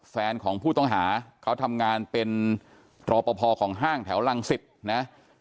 แฟนของผู้ต้องหาเขาทำงานเป็นรอปภของห้างแถวรังสิตนะ